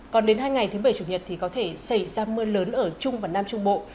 còn đến hai ngày thứ bảy chủ nhật thì có thể xảy ra mưa lớn ở trung và nam trung bộ